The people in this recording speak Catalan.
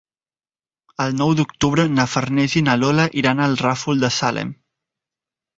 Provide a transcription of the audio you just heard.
El nou d'octubre na Farners i na Lola iran al Ràfol de Salem.